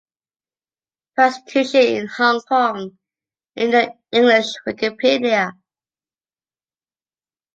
Prostitution in Hong Kong in the English Wikipedia.